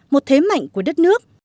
một thế mạnh của đất nước